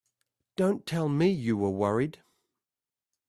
Don't tell me you were worried!